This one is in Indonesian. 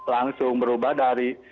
langsung berubah dari